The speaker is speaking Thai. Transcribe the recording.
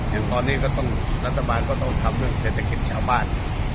อย่างตอนนี้ก็ต้องรัฐบาลก็ต้องทำเรื่องเศรษฐกิจชาวบ้าน